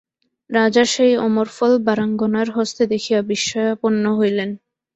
রাজা সেই অমরফল বারাঙ্গনার হস্তে দেখিয়া বিস্ময়াপন্ন হইলেন।